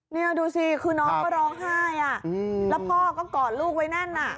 นี่ดูสิคือน้องก็ร้องไห้แล้วพ่อก็กอดลูกไว้แน่นอ่ะ